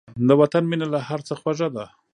د وطن مینه له هر څه خوږه ده.